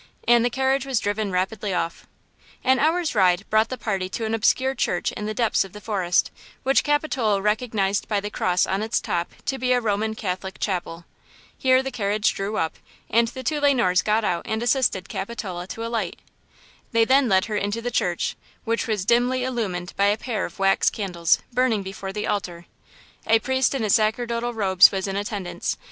And the carriage was driven rapidly off. An hour's ride brought the party to an obscure church in the depths of the forest, which Capitola recognized by the cross on its top to be a Roman Catholic chapel. Here the carriage drew up and the two Le Noirs got out and assisted Capitola to alight. They then led her into the church, which was dimly illumined by a pair of wax candles burning before the altar. A priest in his sacerdotal robes was in attendance.